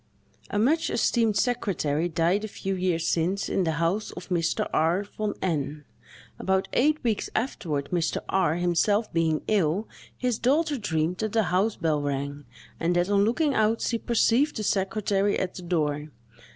A much esteemed secretary died a few years since, in the house of Mr. R—— von N——. About eight weeks afterward, Mr. R—— himself being ill, his daughter dreamed that the house bell rang, and that, on looking out, she perceived the secretary at the door.